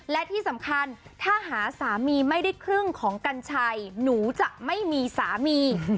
และที่สำคัญถ้าหาสามีไม่ได้ครึ่งของกัญชัยหนูจะไม่มีสามี